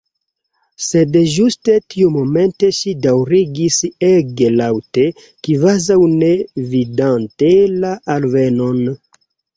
Sed ĝuste tiumomente ŝi daŭrigis ege laŭte, kvazaŭ ne vidante la alvenon.